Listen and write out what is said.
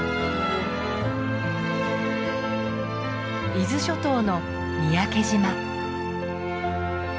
伊豆諸島の三宅島。